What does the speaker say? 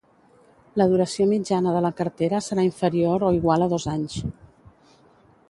La duració mitjana de la cartera serà inferior o igual a dos anys.